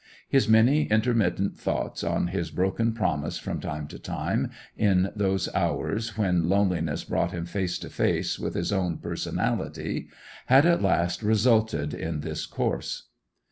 His many intermittent thoughts on his broken promise from time to time, in those hours when loneliness brought him face to face with his own personality, had at last resulted in this course.